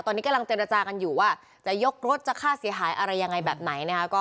ตอนนี้กำลังเจรจากันอยู่ว่าจะยกรถจะค่าเสียหายอะไรยังไงแบบไหนนะคะ